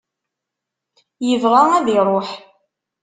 Yebɣa ad iruḥ.